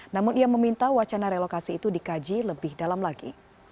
namun ia meminta wacana relokasi itu dikaji lebih dalam lagi